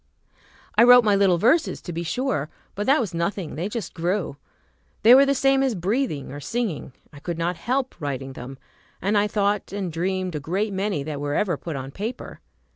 I wrote my little verses, to be sure, but that was nothing; they just grew. They were the same as breathing or singing. I could not help writing them, and I thought and dreamed a great many that were ever put on paper.